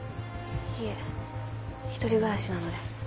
いえ一人暮らしなので。